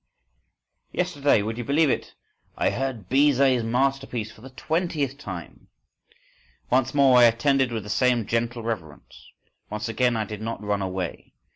Yesterday—would you believe it?—I heard Bizet's masterpiece for the twentieth time. Once more I attended with the same gentle reverence; once again I did not run away.